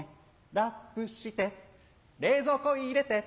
ラップして冷蔵庫入れて